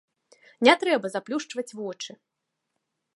Не трэба заплюшчваць вочы.